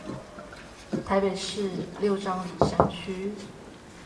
臺北市六張犁山區